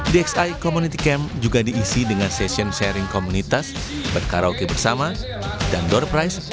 dxi community camp juga diisi dengan session sharing komunitas berkaraoke bersama dan door price